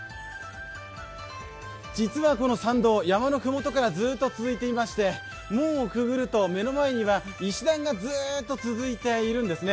実はこの参道、山のふもとからずっと続いていまして門をくぐると目の前には石段がずーっと続いているんですね。